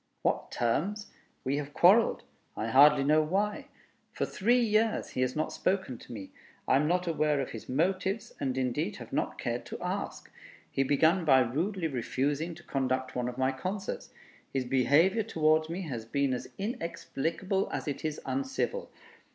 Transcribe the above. "What terms? We have quarreled. I hardly know why. For three years he has not spoken to me. I am not aware of his motives, and indeed have not cared to ask. He began by rudely refusing to conduct one of my concerts. His behavior towards me has been as inexplicable as it is uncivil.